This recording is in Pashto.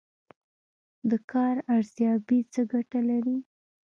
د کار ارزیابي څه ګټه لري؟